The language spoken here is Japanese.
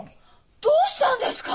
どうしたんですか？